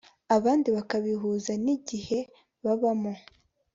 abandi bakabihuza n igihe babamo